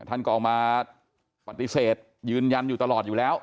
ท่านก็ออกมาปฏิเสธยืนยันอยู่ตลอดอยู่แล้ว